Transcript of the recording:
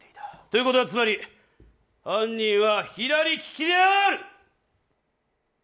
ということはつまり犯人は左利きである。